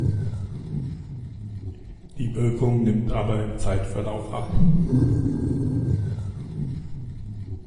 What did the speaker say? Die Wirkung nimmt aber im Zeitverlauf ab.